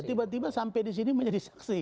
tiba tiba sampai disini menjadi saksi